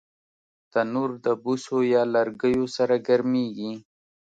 تنور د بوسو یا لرګیو سره ګرمېږي